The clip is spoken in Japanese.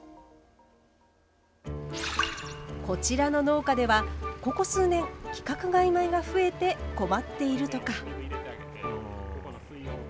こちらの農家ではここ数年、規格外米が増えて困っているとか。